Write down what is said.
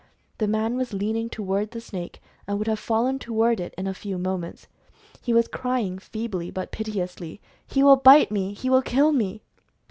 The man was leaning to ward the snake, and would have fallen toward it in a few moments. He was crying, feebly, but piteously, "He will bite me ! He will kill me